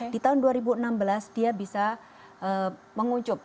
di tahun dua ribu enam belas dia bisa mengucup